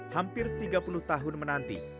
hampir tiga puluh tahun menanti